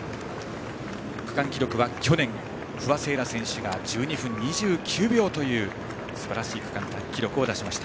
区間記録は去年不破聖衣来選手が１２分２９秒というすばらしい区間記録を出しました。